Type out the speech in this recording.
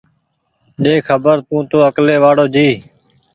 ڏي خبر تونٚ تو اڪلي وآڙو جي